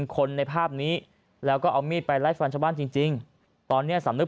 คนในภาพนี้แล้วก็เอามีดไปไล่ฟันชาวบ้านจริงตอนนี้สำนึก